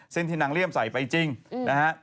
ที่นางเลี่ยมใส่ไปจริงนะฮะ